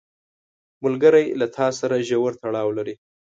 ملګری له تا سره ژور تړاو لري